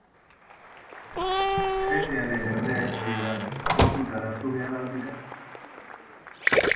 Jendearen erreakzioak kontutan hartu behar al dira?